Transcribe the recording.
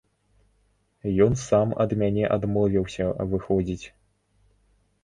Ён сам ад мяне адмовіўся, выходзіць.